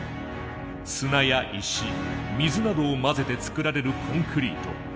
砂や石水などを混ぜて作られるコンクリート。